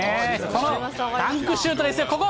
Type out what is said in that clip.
このダンクシュートですよ、ここ。